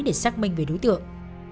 để xác minh về đối tượng